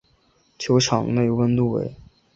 球场内温度为。